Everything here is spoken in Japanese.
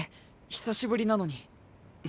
久しぶりなのに。